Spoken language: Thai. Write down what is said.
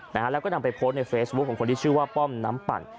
นะฮะแล้วก็นำไปโพสต์ในเฟซบุ๊คของคนที่ชื่อว่าป้อมน้ำปั่น